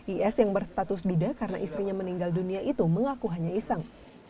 is yang berstatus duda karena istrinya meninggal dunia itu mengaku hanya iseng